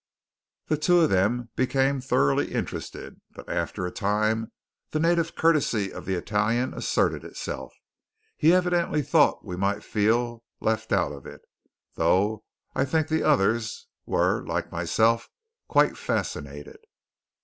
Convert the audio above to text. The two of them became thoroughly interested; but after a time the native courtesy of the Italian asserted itself. He evidently thought we might feel left out of it; though I think the others were, like myself, quite fascinated.